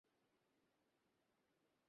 ইহা ব্যতীত উহার আর কোন মূল্য নাই।